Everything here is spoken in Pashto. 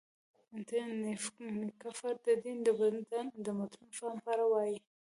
نېکفر د دین د مډرن فهم په اړه وايي.